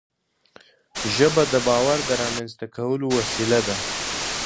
ژبه د باور د رامنځته کولو وسیله ده